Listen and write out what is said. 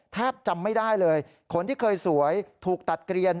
แทบจำไม่ได้เลยคนที่เคยสวยถูกตัดเกลียน